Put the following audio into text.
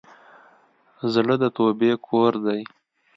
زړه د توبې کور دی.